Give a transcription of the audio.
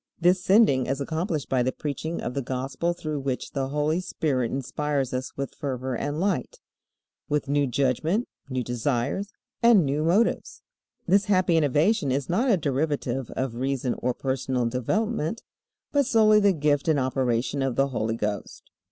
This sending is accomplished by the preaching of the Gospel through which the Holy Spirit inspires us with fervor and light, with new judgment, new desires, and new motives. This happy innovation is not a derivative of reason or personal development, but solely the gift and operation of the Holy Ghost.